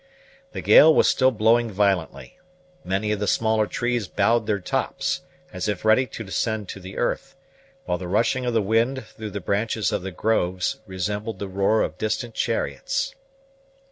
The gale was still blowing violently. Many of the smaller trees bowed their tops, as if ready to descend to the earth, while the rushing of the wind through the branches of the groves resembled the roar of distant chariots.